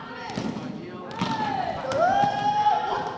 สุดท้ายสุดท้ายสุดท้าย